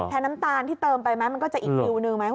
น้ำตาลที่เติมไปไหมมันก็จะอีกฟิวหนึ่งไหม